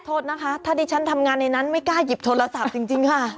โทษนะคะถ้าดิฉันทำงานในนั้นไม่กล้าหยิบโทรศัพท์จริงค่ะ